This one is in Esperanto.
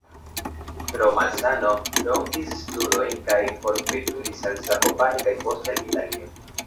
Pro malsano rompis studojn kaj forveturis al Zakopane, kaj poste al Italio.